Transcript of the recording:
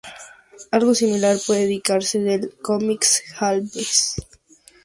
Algo similar puede decirse del comics Hellblazer.